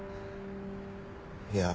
いや。